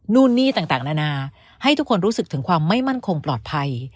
นู่นนี่ต่างนานาให้ทุกคนรู้สึกถึงความไม่มั่นคงปลอดภัย